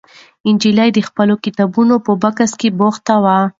نجلۍ د خپلو کتابونو په بکس بوخته وه.